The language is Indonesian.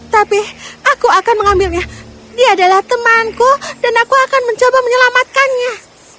tapi aku akan mengambilnya dia adalah temanku dan aku akan mencoba menyelamatkannya